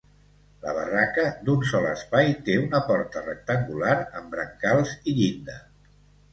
La barraca, d'un sol espai, té una porta rectangular amb brancals i llinda.